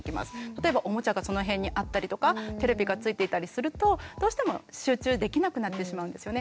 例えばおもちゃがその辺にあったりとかテレビがついていたりするとどうしても集中できなくなってしまうんですよね。